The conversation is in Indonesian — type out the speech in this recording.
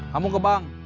kamu ke bank